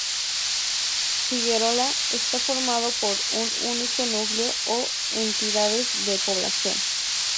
Figuerola está formado por un único núcleo o entidades de población.